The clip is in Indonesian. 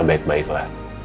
bisa baik baik lah